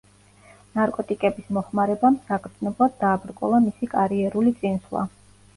ნარკოტიკების მოხმარებამ საგრძნობლად დააბრკოლა მისი კარიერული წინსვლა.